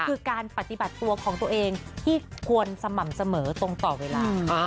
คือการปฏิบัติตัวของตัวเองที่ควรสม่ำเสมอตรงต่อเวลา